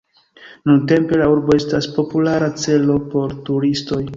Nuntempe, la urbo estas populara celo por turistoj.